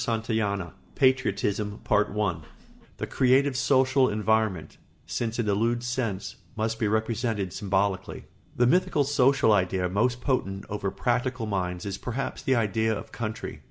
CHAPTER VII PATRIOTISM [Sidenote: The creative social environment, since it eludes sense, must be represented symbolically.] The mythical social idea most potent over practical minds is perhaps the idea of country.